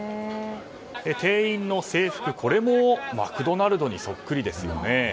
店員の制服、これもマクドナルドにそっくりですよね。